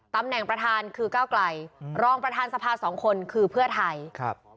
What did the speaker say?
ตำแหน่งประธานคือก้าวไกลรองประธานสภาสองคนคือเพื่อไทยครับ